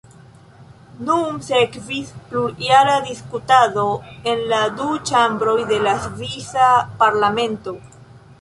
Nun sekvis plurjara diskutado en la du ĉambroj de la svisa parlamento.